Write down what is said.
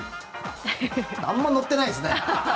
あまり乗ってないですね。